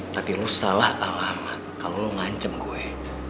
tapi lu salah alamat kalo lu ngancam gue